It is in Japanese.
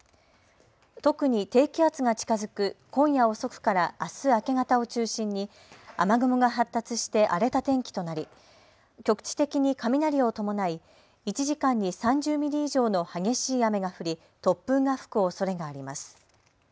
特に低気圧が近づく今夜遅くからあす明け方を中心に雨雲が発達して荒れた天気となり局地的に雷を伴い１時間に３０ミリ以上の激しい雨が降り突風が吹くおそれがあります。